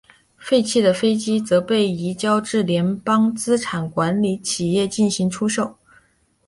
废弃的飞机则被移交至联邦资产管理企业进行出售。